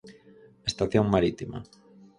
Estación Marítima.